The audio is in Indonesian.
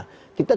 kita tidak boleh